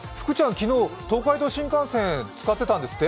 昨日、東海道新幹線使ってたんですって？